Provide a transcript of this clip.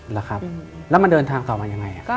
เหรอครับแล้วมันเดินทางต่อมายังไง